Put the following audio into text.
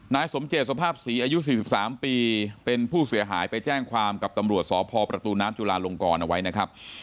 นายสมเจตสภาพศรีอายุ๔๓ปีเป็นผู้เสียหายไปแจ้งความกับตำรวจสพประตูน้ำจุลาลงกรเอาไว้นะครับ